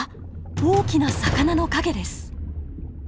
大きな魚の影です。